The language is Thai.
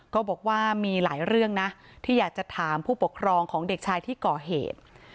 ก็บอกว่ามีหลายเรื่องนะที่อยากจะถามผู้ปกครองของเด็กชายที่ก่อเหตุ